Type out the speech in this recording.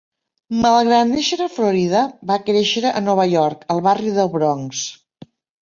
Malgrat néixer a Florida, va créixer a Nova York, al barri del Bronx.